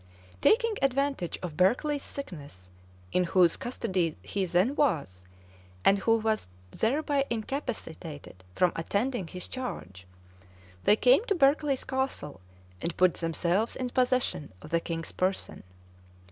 Taking advantage of Berkeley's sickness, in whose custody he then was, and who was thereby incapacitated from attending his charge,[*] they came to Berkeley Castle, and put themselves in possession of the king's person.